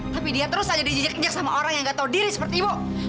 tapi dia terus aja dijijik injak sama orang yang nggak tahu diri seperti ibu